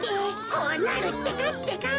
こうなるってかってか。